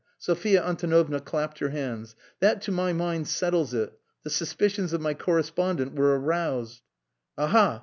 Sophia Antonovna clapped her hands. "That, to my mind, settles it. The suspicions of my correspondent were aroused...." "Aha!